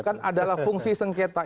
kan adalah fungsi sengketa